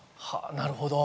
なるほど。